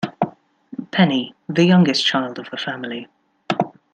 Penny: The youngest child of the family.